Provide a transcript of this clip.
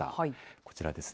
こちらですね。